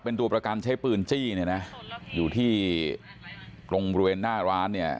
เป็นตัวประกันใช้ปืนจี้เนี่ยนะอยู่ที่ตรงบริเวณหน้าร้านเนี่ย